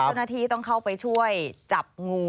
เจ้าหน้าที่ต้องเข้าไปช่วยจับงู